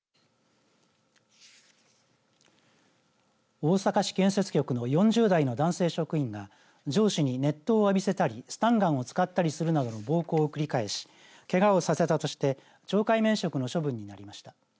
大阪市建設局の４０代の男性職員が上司に熱湯を浴びせたりスタンガンを使ったりするなどの暴行を繰り返しけがをさせたとして懲戒免職の処分になりました。